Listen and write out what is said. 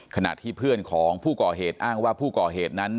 ขณะที่เพื่อนของผู้ก่อเหตุอ้างว่าผู้ก่อเหตุนั้น